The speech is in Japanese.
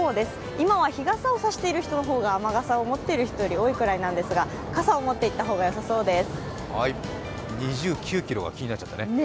今は日傘を差している人の方が雨傘を持っている人より多いくらいですが傘を持っていった方がよさそうです。